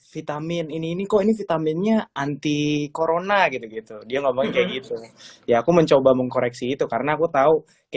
vitamin ini ini kok ini vitaminnya anti corona gitu gitu dia ngomong kayak gitu ya aku mencoba mengkoreksi itu karena aku tahu